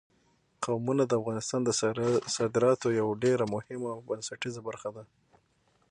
قومونه د افغانستان د صادراتو یوه ډېره مهمه او بنسټیزه برخه ده.